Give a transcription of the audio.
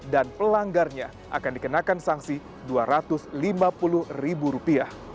dan pelanggarnya akan dikenakan sanksi rp dua ratus lima puluh